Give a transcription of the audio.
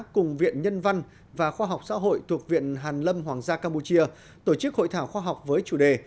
cùng viện nhân văn và khoa học xã hội thuộc viện hàn lâm hoàng gia campuchia tổ chức hội thảo khoa học với chủ đề